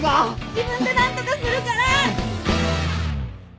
自分で何とかするから！